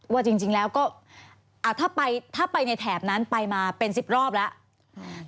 ว่าจริงแล้วก็ถ้าไปในแถบนั้นไปมาเป็น๑๐รอบแล้ว